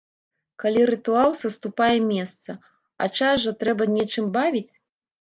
Калі рытуал саступае месца, а час жа трэба нечым бавіць!